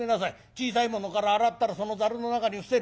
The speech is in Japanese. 小さいものから洗ったらそのザルの中に伏せる。